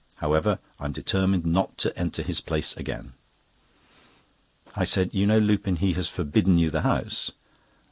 However, I'm determined not to enter his place again." I said: "You know, Lupin, he has forbidden you the house."